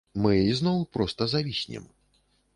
Мы ізноў проста завіснем.